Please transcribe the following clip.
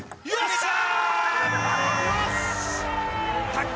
よし！